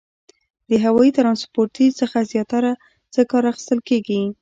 د هوایي ترانسپورتي څخه زیاتره څه کار اخیستل کیږي؟